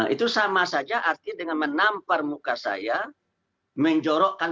itu sama saja artinya dengan menampar muka saya menjorokkan